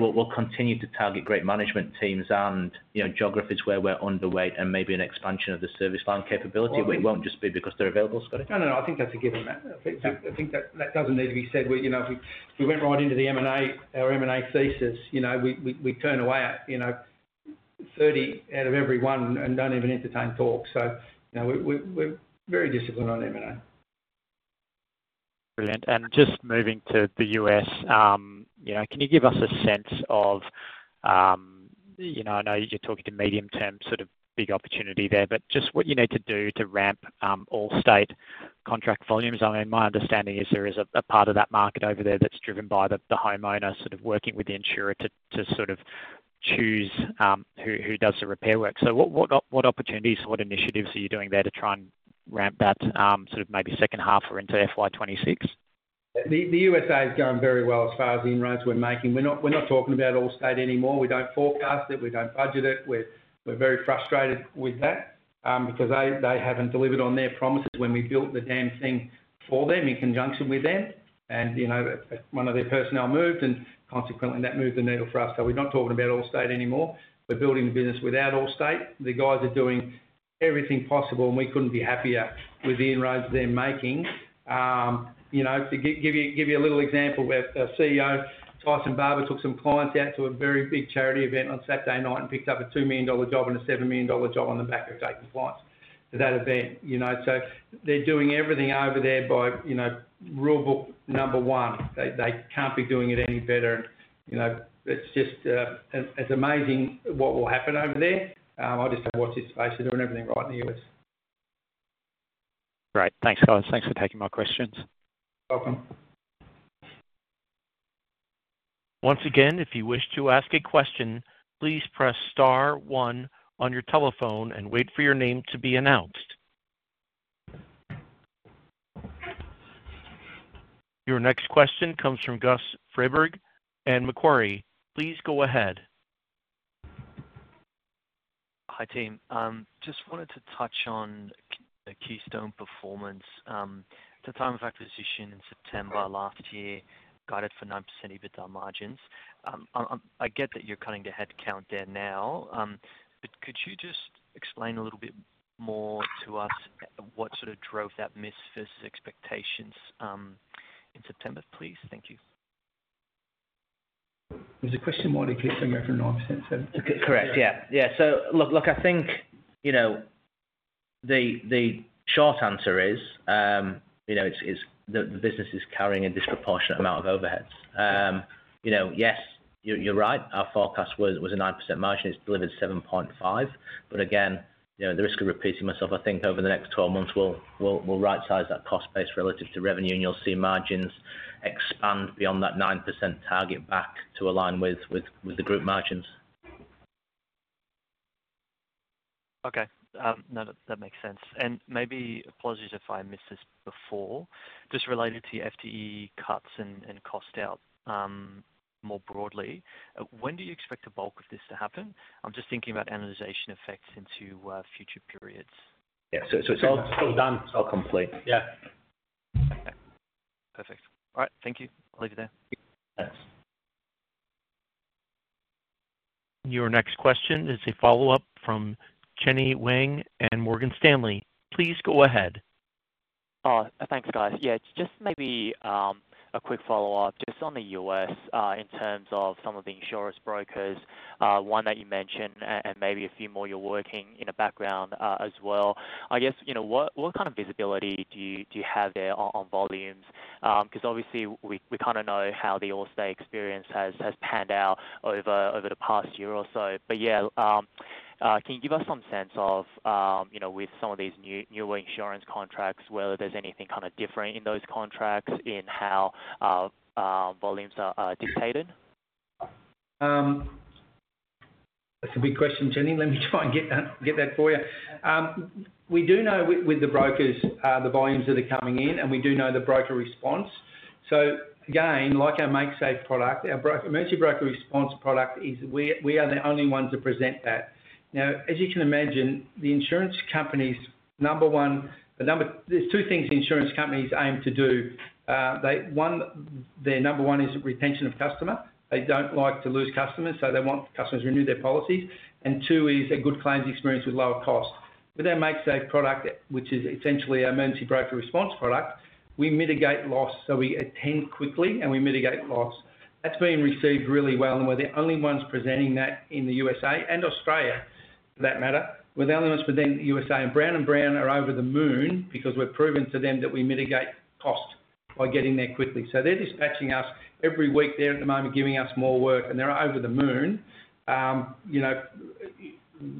S6: we'll continue to target great management teams and geographies where we're underweight and maybe an expansion of the service line capability, but it won't just be because they're available, Scotty.
S2: No, no, no. I think that's a given. I think that doesn't need to be said. If we went right into the M&A, our M&A thesis, we'd turn away 30 out of every one and don't even entertain talk. So we're very disciplined on M&A.
S9: Brilliant. And just moving to the U.S., can you give us a sense of, I know you're talking to medium-term sort of big opportunity there, but just what you need to do to ramp Allstate contract volumes? I mean, my understanding is there is a part of that market over there that's driven by the homeowner sort of working with the insurer to sort of choose who does the repair work. So what opportunities, what initiatives are you doing there to try and ramp that sort of maybe second half or into FY26?
S2: The USA has gone very well as far as the inroads we're making. We're not talking about Allstate anymore. We don't forecast it. We don't budget it. We're very frustrated with that because they haven't delivered on their promises when we built the damn thing for them in conjunction with them, and one of their personnel moved, and consequently, that moved the needle for us, so we're not talking about Allstate anymore. We're building a business without Allstate. The guys are doing everything possible, and we couldn't be happier with the inroads they're making. To give you a little example, our CEO, Tyson Barber, took some clients out to a very big charity event on Saturday night and picked up a $2 million job and a $7 million job on the back of taking clients to that event, so they're doing everything over there by rule book number one. They can't be doing it any better. And it's amazing what will happen over there. I'll just say watch this space. They're doing everything right in the U.S.
S9: Great. Thanks, guys. Thanks for taking my questions.
S2: You're welcome.
S1: Once again, if you wish to ask a question, please press star one on your telephone and wait for your name to be announced. Your next question comes from Gus Frieberg and Macquarie. Please go ahead.
S10: Hi, team. Just wanted to touch on Keystone's performance. At the time of acquisition in September last year, guided for 9% EBITDA margins. I get that you're cutting the headcount there now. But could you just explain a little bit more to us what sort of drove that miss versus expectations in September, please? Thank you.
S2: Was the question more to keep them around 9%?
S10: Correct. Yeah. So look, I think the short answer is the business is carrying a disproportionate amount of overheads. Yes, you're right. Our forecast was a 9% margin. It's delivered 7.5. But again, the risk of repeating myself, I think over the next 12 months, we'll right-size that cost base relative to revenue, and you'll see margins expand beyond that 9% target back to align with the group margins. Okay. No, that makes sense, and maybe apologies if I missed this before, just related to FTE cuts and cost out more broadly. When do you expect the bulk of this to happen? I'm just thinking about annualization effects into future periods.
S6: Yeah. So it's all done. It's all complete. Yeah.
S10: Okay. Perfect. All right. Thank you. I'll leave it there.
S6: Thanks.
S1: Your next question is a follow-up from Chenny Wang and Morgan Stanley. Please go ahead.
S7: Oh, thanks, guys. Yeah. Just maybe a quick follow-up just on the U.S. in terms of some of the insurance brokers, one that you mentioned, and maybe a few more you're working in the background as well. I guess, what kind of visibility do you have there on volumes? Because obviously, we kind of know how the Allstate experience has panned out over the past year or so. But yeah, can you give us some sense of, with some of these newer insurance contracts, whether there's anything kind of different in those contracts in how volumes are dictated?
S2: That's a big question, Chenny. Let me try and get that for you. We do know with the brokers the volumes that are coming in, and we do know the broker response. So again, like our Makesafe product, our Emergency Broker Response product, we are the only ones that present that. Now, as you can imagine, the insurance company's number one. There's two things the insurance companies aim to do. One, their number one is retention of customer. They don't like to lose customers, so they want customers to renew their policies. And two is a good claims experience with lower cost. With our Makesafe product, which is essentially our Emergency Broker Response product, we mitigate loss. So we attend quickly, and we mitigate loss. That's been received really well. And we're the only ones presenting that in the USA and Australia, for that matter. We're the only ones presenting the USA. Brown & Brown are over the moon because we've proven to them that we mitigate cost by getting there quickly. They're dispatching us every week there at the moment, giving us more work. They're over the moon.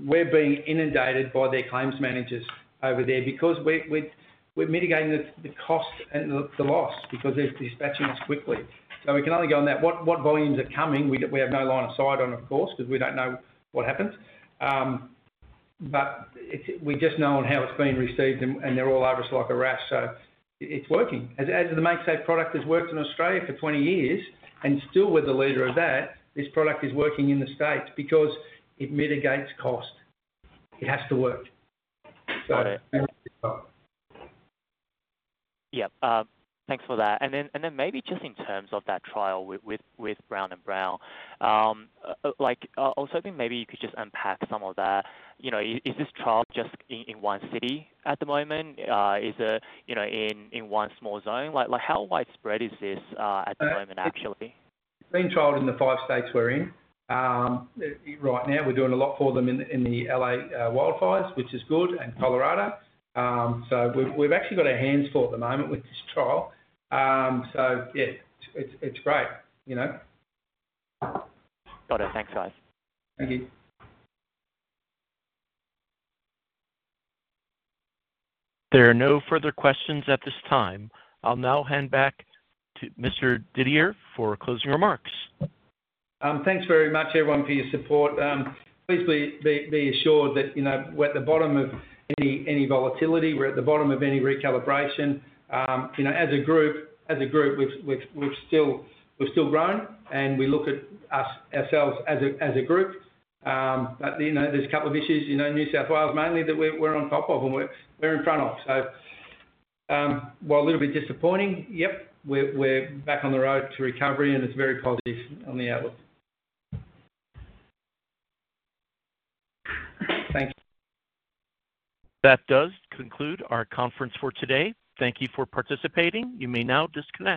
S2: We're being inundated by their claims managers over there because we're mitigating the cost and the loss because they're dispatching us quickly. We can only go on that. What volumes are coming? We have no line of sight on, of course, because we don't know what happens. We just know on how it's being received, and they're all over us like a rash. It's working. As the Makesafe product has worked in Australia for 20 years and still we're the leader of that, this product is working in the States because it mitigates cost. It has to work. So it's good stuff.
S7: Yep. Thanks for that. And then maybe just in terms of that trial with Brown & Brown, I was hoping maybe you could just unpack some of that. Is this trial just in one city at the moment? Is it in one small zone? How widespread is this at the moment, actually?
S2: It's been trialed in the five states we're in. Right now, we're doing a lot for them in the LA wildfires, which is good, and Colorado. So we've actually got our hands full at the moment with this trial. So yeah, it's great.
S7: Got it. Thanks, guys.
S2: Thank you.
S1: There are no further questions at this time. I'll now hand back to Mr. Didier for closing remarks.
S2: Thanks very much, everyone, for your support. Please be assured that we're at the bottom of any volatility. We're at the bottom of any recalibration. As a group, we've still grown, and we look at ourselves as a group. But there's a couple of issues, New South Wales mainly, that we're on top of and we're in front of. So while a little bit disappointing, yep, we're back on the road to recovery, and it's very positive on the outlook. Thank you.
S1: That does conclude our conference for today. Thank you for participating. You may now disconnect.